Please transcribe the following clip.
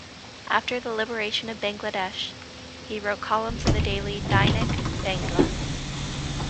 After the liberation of Bangladesh he wrote columns in the daily "Dainik Bangla".